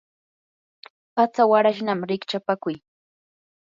patsa warashnam rikchapakuy.